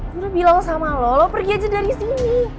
gue udah bilang sama lo lo pergi aja dari sini